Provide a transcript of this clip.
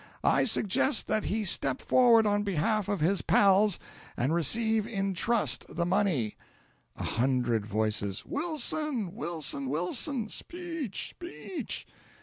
I suggest that he step forward on behalf of his pals, and receive in trust the money." A Hundred Voices. "Wilson! Wilson! Wilson! Speech! Speech!"